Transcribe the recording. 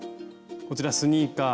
こちらスニーカー。